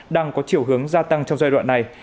đang có chiều hướng gia tăng trong giai đoạn này